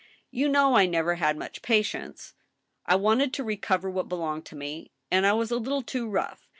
You know I never had much patience. ... I wanted to recover what belonged to me, and I was a little too rough.